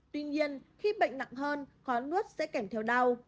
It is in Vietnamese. tuy nhiên khi bệnh nặng hơn khó nuốt sẽ kèm theo đau